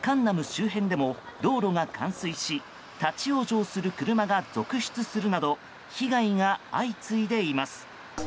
周辺でも道路が冠水し立ち往生する車が続出するなど被害が相次いでいます。